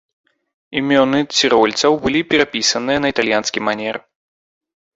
Імёны цірольцаў былі перапісаныя на італьянскі манер.